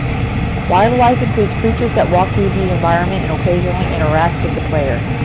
Wildlife includes creatures that walk through the environment and occasionally interact with the player.